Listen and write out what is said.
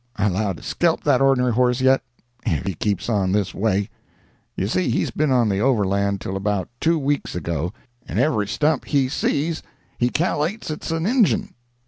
I allow to skelp that ornery horse, yet, if he keeps on this way; you see he's been on the over land till about two weeks ago, and every stump he sees he cal'lates it's an Injun."